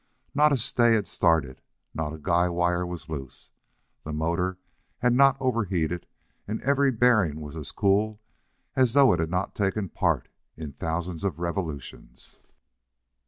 Not a stay had started, not a guy wire was loose. The motor had not overheated, and every bearing was as cool as though it had not taken part in thousands of revolutions.